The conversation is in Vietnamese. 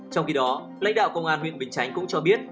trong khi đó lãnh đạo công an huyện bình chánh cũng cho biết